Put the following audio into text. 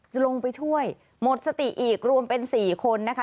จะลงไปช่วยหมดสติอีกรวมเป็น๔คนนะคะ